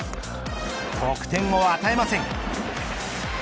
得点を与えません。